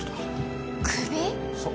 そう。